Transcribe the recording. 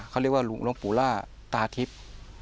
เขาเรียกว่าหลวงปู่ล่าตาทิพย์